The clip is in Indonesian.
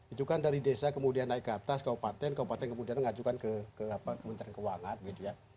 itu kan dari desa kemudian naik ke atas kabupaten kabupaten kemudian ngajukan ke kementerian keuangan gitu ya